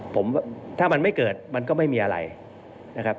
ผมถ้ามันไม่เกิดมันก็ไม่มีอะไรนะครับ